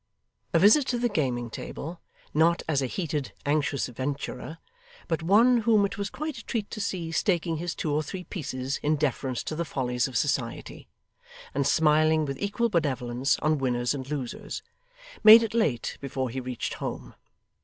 A visit to the gaming table not as a heated, anxious venturer, but one whom it was quite a treat to see staking his two or three pieces in deference to the follies of society, and smiling with equal benevolence on winners and losers made it late before he reached home.